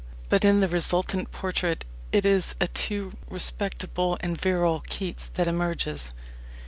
But in the resultant portrait, it is a too respectable and virile Keats that emerges.